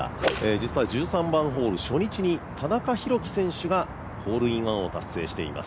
実は１３番ホール初日に田中裕基選手がホールインワンを達成しています。